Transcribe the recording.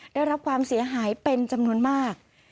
ได้รับความเสียหายเป็นจำนวนมาก